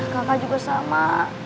kakak juga sama